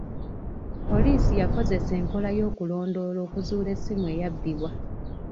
Poliisi yakozesa enkola y'okulondoola okuzuula essimu eyabbibwa.